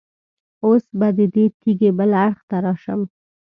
اوس به د دې تیږې بل اړخ ته راشم.